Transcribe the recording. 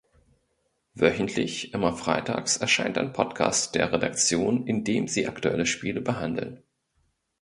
Wöchentlich, immer freitags, erscheint ein Podcast der Redaktion, in dem sie aktuelle Spiele behandeln.